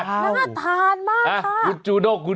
น่าทานมากค่ะ